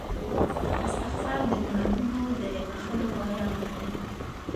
استغفار د ګناهونو د بخښلو غوره لاره ده.